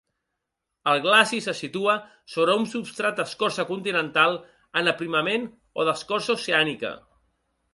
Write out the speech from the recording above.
El glacis se situa sobre un substrat d'escorça continental en aprimament o d'escorça oceànica.